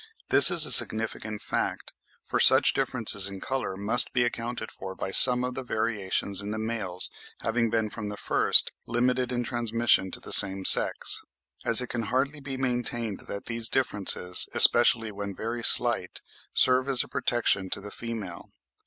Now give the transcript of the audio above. This is a significant fact, for such differences in colour must be accounted for by some of the variations in the males having been from the first limited in transmission to the same sex; as it can hardly be maintained that these differences, especially when very slight, serve as a protection to the female.